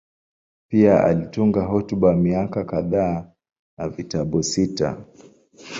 Pia alitunga hotuba mia kadhaa na vitabu sita.